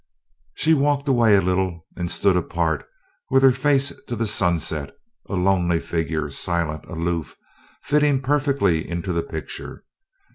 She walked away a little and stood apart with her face to the sunset, a lonely figure, silent, aloof, fitting perfectly into the picture.